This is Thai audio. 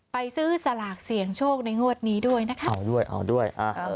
ไปซื้อสลากเสี่ยงโชคในงวดนี้ด้วยนะคะเอาด้วยเอาด้วยอ่า